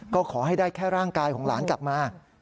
ก็ขอให้ได้แค่ร่างกายของหลานกลับมา